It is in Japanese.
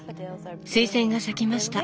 スイセンが咲きました！